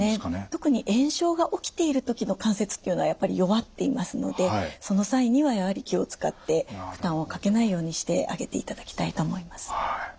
特に炎症が起きている時の関節っていうのはやっぱり弱っていますのでその際にはやはり気を遣って負担をかけないようにしてあげていただきたいと思います。